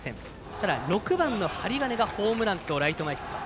ただ６番の針金がホームランとライト前ヒット。